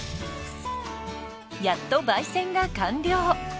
やっと焙煎が完了。